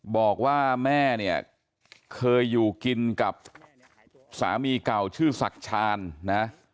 บอกว่าแม่เนี่ยเคยอยู่กินกับสามีเก่าชื่อศักดิ์ชาญนะ